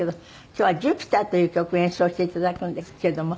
今日は『ジュピター』という曲演奏して頂くんですけども。